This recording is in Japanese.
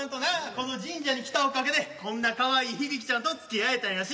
この神社に来たおかげでこんなかわいい響ちゃんとつきあえたんやし。